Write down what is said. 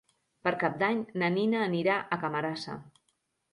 Per Cap d'Any na Nina anirà a Camarasa.